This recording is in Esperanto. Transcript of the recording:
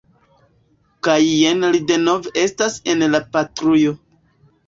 Kaj jen li denove estas en la patrujo.